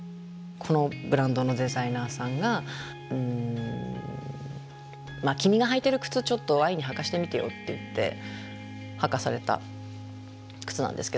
このブランドのデザイナーさんが「君が履いてる靴ちょっと愛に履かせてみてよ」って言って履かされた靴なんですけど。